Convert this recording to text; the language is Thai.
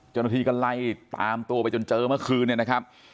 เจ้าหน้าที่กันไรตามตัวไปจนเจอเมื่อคืนนะครับ